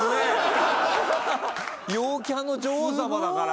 陽キャの女王様だから。